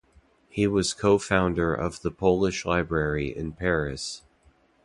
He was co-founder of the Polish Library in Paris.